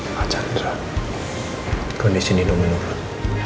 pak chandra kondisi nino menurun